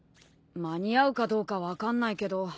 間に合うかどうか分かんないけど。